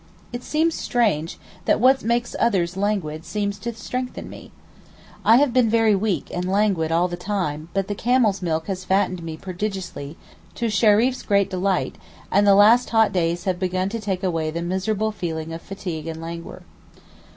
It seems strange that what makes others languid seems to strengthen me. I have been very weak and languid all the time, but the camel's milk has fattened me prodigiously, to Sherayeff's great delight; and the last hot days have begun to take away the miserable feeling of fatigue and languor.